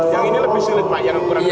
yang ini lebih sulit pak yang ukuran besar